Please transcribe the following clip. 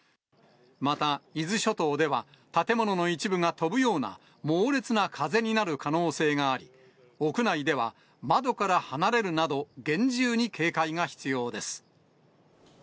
また伊豆諸島では、建物の一部が飛ぶような、猛烈な風になる可能性があり、屋内では窓から離れるなど、厳重に警戒が必要です。